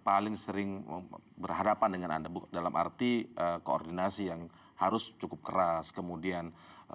paling sering berhadapan dengan anda dalam arti koordinasi yang harus cukup keras kemudian